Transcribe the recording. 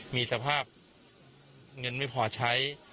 มีสภาพเงินไม่พอใช้